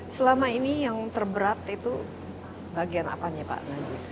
selama ini yang terberat itu bagian apanya pak najib